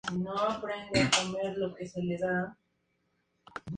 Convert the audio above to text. Donó al Ayuntamiento de Belmonte de Miranda, la Casa de las Villarta.